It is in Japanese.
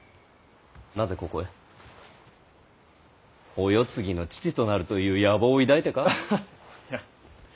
お世継ぎの父となるという野望を抱いてか？